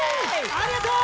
ありがとう！